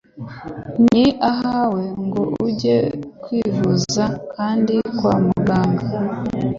ni ahawe ngo ujye kwivuza kandi kwa muganga.